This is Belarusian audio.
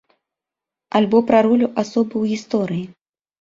Альбо пра ролю асобы ў гісторыі.